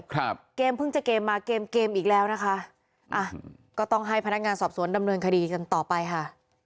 ครับเกมเพิ่งจะเกมมาเกมเกมอีกแล้วนะคะอ่ะก็ต้องให้พนักงานสอบสวนดำเนินคดีกันต่อไปค่ะ